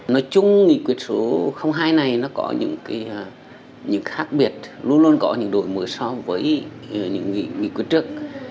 nói chung nghị quyết số hai này nó có những khác biệt luôn luôn có những đổi mới so với những nghị quyết trước